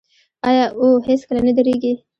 آیا او هیڅکله نه دریږي؟